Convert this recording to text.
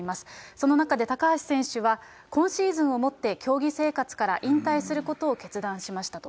その中で高橋選手は、今シーズンをもって競技生活から引退することを決断しましたと。